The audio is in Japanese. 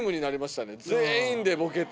全員でボケて。